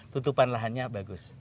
tutupan lahannya bagus